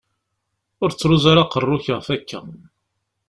Ur ttruẓ ara aqerru-k ɣef akka!